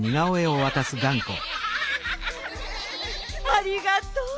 ありがとう！